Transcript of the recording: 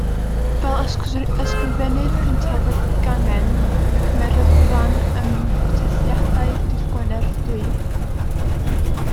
Fel ysgrifennydd cyntaf y gangen, cymerodd ran ym mhrotestiadau Dydd Gwener Du.